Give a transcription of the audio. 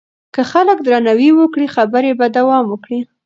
که خلک درناوی وکړي خبرې به دوام وکړي.